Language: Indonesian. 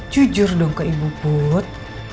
jujur dong ke ibu put